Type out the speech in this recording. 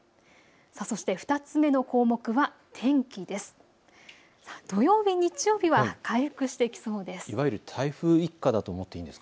そして２つ目の項目は天気です。